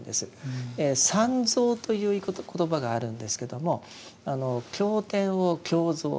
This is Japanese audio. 「三蔵」という言葉があるんですけども経典を「経蔵」